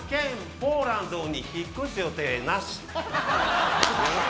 ポーランドに引っ越す予定なし。